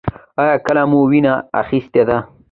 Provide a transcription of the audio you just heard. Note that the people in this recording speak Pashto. ایا کله مو وینه اخیستې ده؟